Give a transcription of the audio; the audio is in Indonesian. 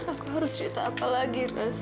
aku harus cerita apa lagi raz